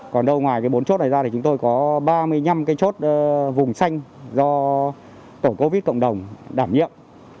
còn đâu ngoài cái bốn chốt này ra thì chúng tôi có ba mươi năm cái chốt vùng xanh do tổ covid cộng đồng đảm nhiệm